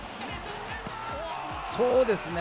そうですね。